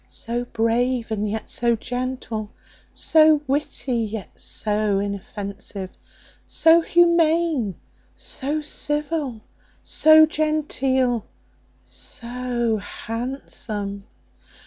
So brave, and yet so gentle; so witty, yet so inoffensive; so humane, so civil, so genteel, so handsome!